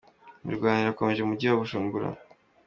Imirwano irakomeje mu mujyi wa Bujumbura